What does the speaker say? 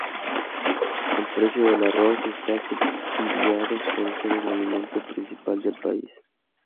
El precio del arroz está subsidiado por ser el alimento principal del país.